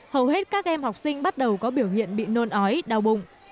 hầu hết các em học sinh bắt đầu có biểu hiện bị nôn ói đau bụng